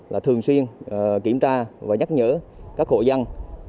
là thường xuyên kiểm tra và nhắc nhở các hộ dân